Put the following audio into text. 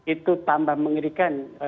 itu tambah mengerikan